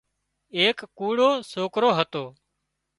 ايڪ ڪوڙو سوڪرو هتو